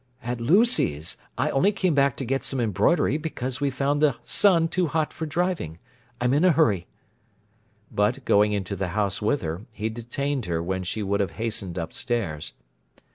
"At Lucy's. I only came back to get some embroidery, because we found the sun too hot for driving. I'm in a hurry." But, going into the house with her, he detained her when she would have hastened upstairs.